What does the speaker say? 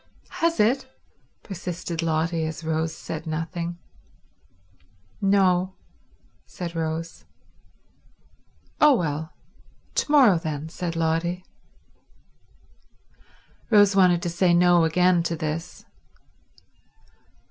"Has it?" persisted Lotty, as Rose said nothing. "No," said Rose. "Oh, well—to morrow then," said Lotty. Rose wanted to say No again to this.